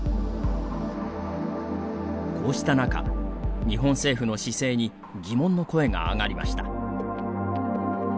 こうした中、日本政府の姿勢に疑問の声が上がりました。